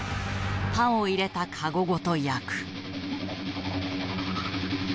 パンを入れた籠ごと焼く。